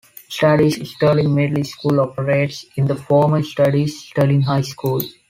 Standish-Sterling Middle School operates in the former Standish-Sterling High School.